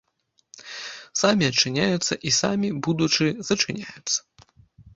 Самі адчыняюцца і самі, будучы, зачыняюцца.